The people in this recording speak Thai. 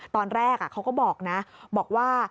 ตอนแรกเขาก็บอกนะบอกว่า